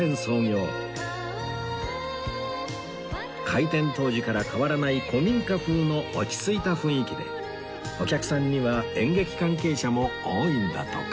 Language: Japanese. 開店当時から変わらない古民家風の落ち着いた雰囲気でお客さんには演劇関係者も多いんだとか